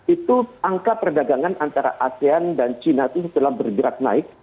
itu angka perdagangan antara asean dan china itu telah bergerak naik